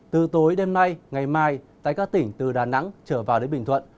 từ tối đêm nay ngày mai tại các tỉnh từ đà nẵng trở vào đến bình thuận